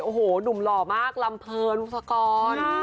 โอ้โฮหนุ่มหล่อมากลำเพลินลูกศักรณ์